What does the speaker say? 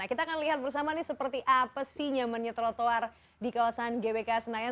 kita akan lihat bersama nih seperti apa sih nyamannya trotoar di kawasan gbk senayan